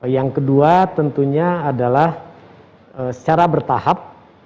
yang kedua tentunya adalah secara bertahap